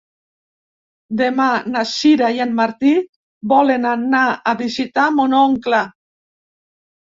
Demà na Sira i en Martí volen anar a visitar mon oncle.